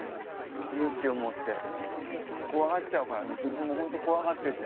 勇気を持って怖がっちゃうからね自分も本当怖がってて。